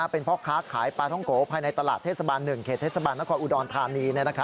เป็นพ่อค้าขายปลาท้องโกภายในตลาดเทศบาล๑เขตเทศบาลนครอุดรธานี